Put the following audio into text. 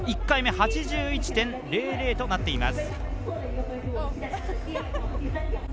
１回目１８１．００となっています。